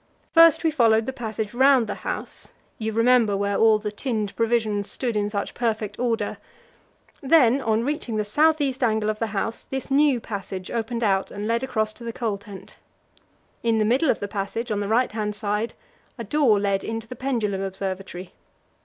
First we followed the passage round the house you remember where all the tinned provisions stood in such perfect order then, on reaching the south east angle of the house, this new passage opened out and led across to the coal tent. In the middle of the passage, on the right hand side, a door led into the pendulum observatory.